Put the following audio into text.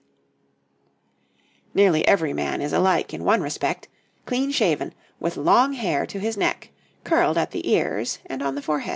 two types of hood}] Nearly every man is alike in one respect clean shaven, with long hair to his neck, curled at the ears and on the forehead.